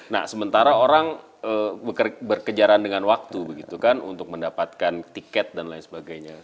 nah sementara orang berkejaran dengan waktu begitu kan untuk mendapatkan tiket dan lain sebagainya